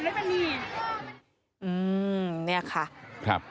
อื้มเนี่ยคะ